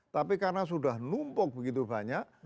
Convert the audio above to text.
tapi karena sudah numpuk begitu banyak